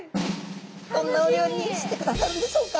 どんなお料理にしてくださるんでしょうか。